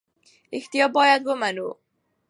رښتیا باید ومنو.